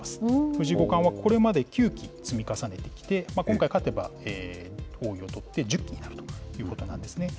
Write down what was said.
藤井五冠はこれまで９期積み重ねてきて、今回勝てば、王位を取って１０期になるということなんですね。